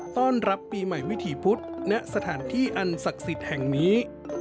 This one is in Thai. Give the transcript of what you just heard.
ต้อนรับปีใหม่วิถีพุธณสถานที่อันศักดิ์สิทธิ์แห่งนี้